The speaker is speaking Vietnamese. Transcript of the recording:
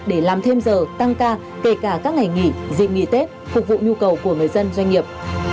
để làm thêm giờ tăng ca kể cả các ngày nghỉ dịp nghỉ tết phục vụ nhu cầu của người dân doanh nghiệp